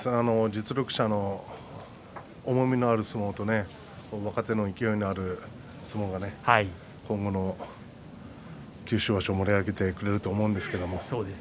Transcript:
実力者の重みがある相撲と若手の勢いのある相撲が今後の九州場所を盛り上げてくれると思うんですけど。